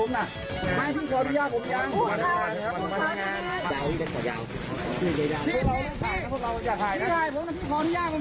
นั้นเลย